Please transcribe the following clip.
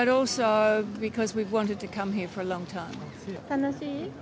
楽しい？